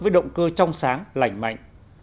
với động cơ trong sáng lành mạnh